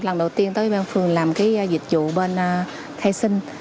lần đầu tiên tới bên phường làm dịch vụ bên khai sinh